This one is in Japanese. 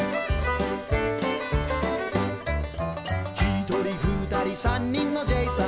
「ひとりふたりさんにんのジェイさん」